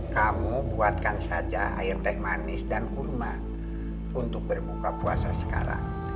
kamu buatkan saja air teh manis dan kurma untuk berbuka puasa sekarang